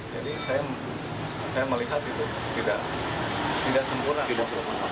jadi saya melihat itu tidak sempurna